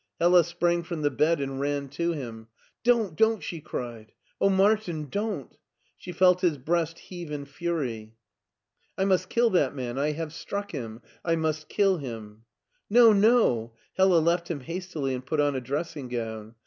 Hella sprang from the bed and ran to him. " Don't, don't!" she cried. "Oh, Martin, don't!" She felt his breast heave in fury. " I must kill that man. I have struck him : I must kill hun." " No, no !" HeHa left him hastily and put on a dressing gown.